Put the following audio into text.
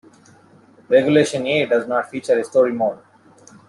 Regulation "A" does not feature a story mode.